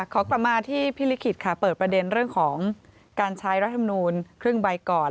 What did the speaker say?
ขอกลับมาที่พี่ลิขิตค่ะเปิดประเด็นเรื่องของการใช้รัฐมนูลครึ่งใบก่อน